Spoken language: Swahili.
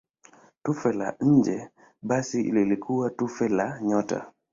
Tufe la nje kabisa lilikuwa tufe la nyota.